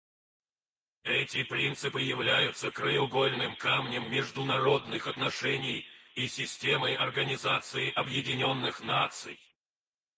Эти принципы являются краеугольным камнем международных отношений и системы Организации Объединенных Наций.